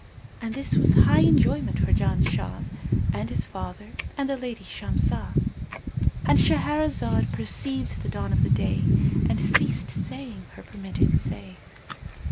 And this was high enjoyment for Janshah and his father and the lady Shamsah."—And Shahrazad perceived the dawn of day and ceased saying her permitted say.